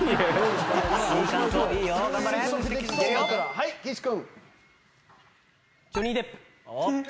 はい岸君。